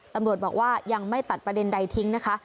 ตำรวจบอกว่ายังไม่ตัดประเด็นใดทิ้งนะคะ